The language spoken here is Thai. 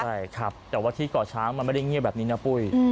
ใช่ครับแต่ว่าที่ก่อช้างมันไม่ได้เงียบแบบนี้นะปุ้ย